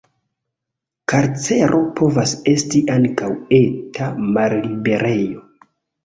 Karcero povas esti ankaŭ eta malliberejo.